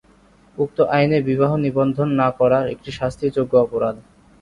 উক্ত আইনে বিবাহ নিবন্ধন না-করা একটি শাস্তিযোগ্য অপরাধ।